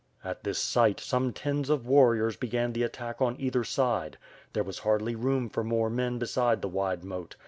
At this sight, some tens of warriors began the attack on either side. There was hardly room for more men beside the wide moat.